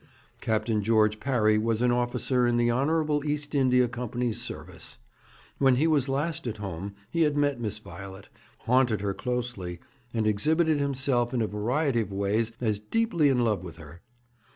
Captain George Parry was an officer in the Honourable East India Company's service. When he was last at home he had met Miss Violet, haunted her closely, and exhibited himself in a variety of ways as deeply in love with her.